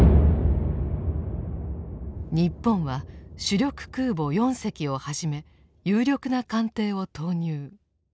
日本は主力空母４隻をはじめ有力な艦艇を投入。